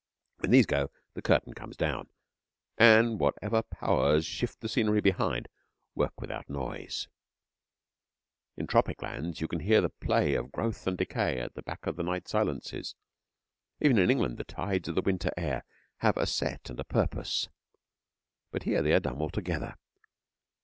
When these go the curtain comes down, and whatever Powers shift the scenery behind, work without noise. In tropic lands you can hear the play of growth and decay at the back of the night silences. Even in England the tides of the winter air have a set and a purpose; but here they are dumb altogether.